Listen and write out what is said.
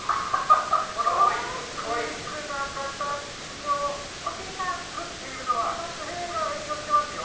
このユニークな形を作っているのは、地形が影響してますよ。